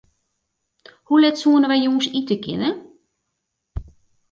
Hoe let soenen wy jûns ite kinne?